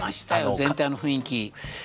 全体の雰囲気。